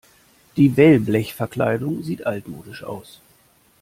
Die Wellblechverkleidung sieht altmodisch aus.